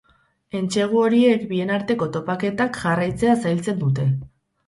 Entsegu horiek bien arteko topaketak jarraitzea zailtzen dute.